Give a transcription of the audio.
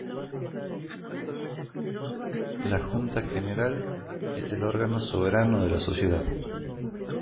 La Junta General es el órgano soberano de la Sociedad.